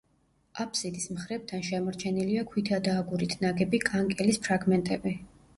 აფსიდის მხრებთან შემორჩენილია ქვითა და აგურით ნაგები კანკელის ფრაგმენტები.